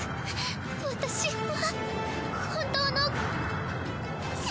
私は本当の。